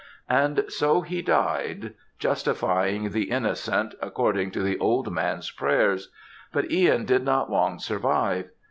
And so he died, justifying the innocent, according to the old man's prayers; but Ihan did not long survive.